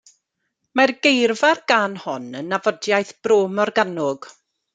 Mae geirfa'r gân hon yn nhafodiaith Bro Morgannwg.